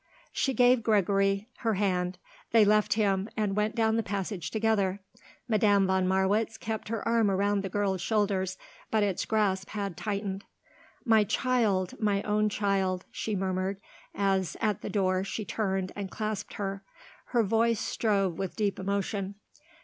She gave Gregory her hand. They left him and went down the passage together. Madame von Marwitz kept her arm round the girl's shoulders, but its grasp had tightened. "My child! my own child!" she murmured, as, at the door, she turned and clasped her. Her voice strove with deep emotion.